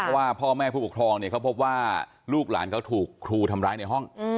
เพราะว่าพ่อแม่ผู้ปกครองเนี่ยเขาพบว่าลูกหลานเขาถูกครูทำร้ายในห้อง